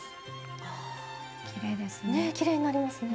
きれいですね。